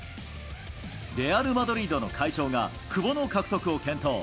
レアル・マドリードの会長が久保の獲得を検討。